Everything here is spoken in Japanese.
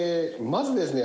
まずですね